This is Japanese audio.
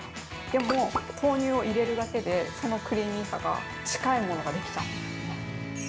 でも、豆乳を入れるだけでそのクリーミーさが近いものができちゃうんです。